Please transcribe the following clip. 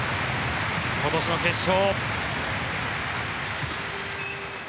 今年の決勝。